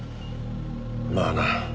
まあな。